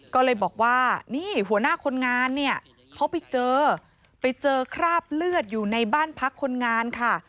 ก็เลยบอกว่านี่หัวหน้าคนงานเนี่ยเขาไปเจอไปเจอคราบเลือดอยู่ในบ้านพักคนงานค่ะ